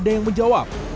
ada yang menjawab